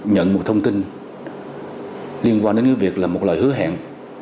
nhận một thông tin liên quan đến cái việc là một lời hứa hẹn